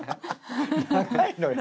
長いのよ。